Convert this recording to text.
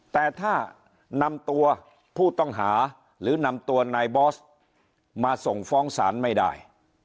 แต่ถ้านำตัวผู้ต้องหาหรือนำตัวนายบอสมาส่งฟ้องศาลไม่ได้